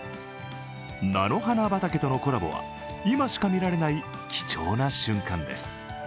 菜の花畑とのコラボは今しか見られない貴重な瞬間です。